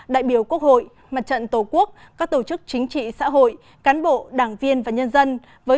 đại biểu quốc hội mặt trận tổ quốc các tổ chức chính trị xã hội cán bộ đảng viên và nhân dân